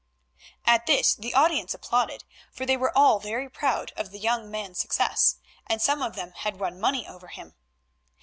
At this the audience applauded, for they were all very proud of the young man's success, and some of them had won money over him.